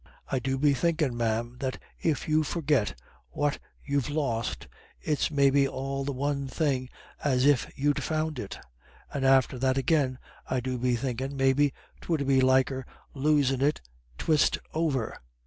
I do be thinkin', ma'am, that if you forgit what you've lost, 'tis maybe all the one thing as if you'd found it; and after that agin I do be thinkin' maybe 'twould be liker losin' it twyste over.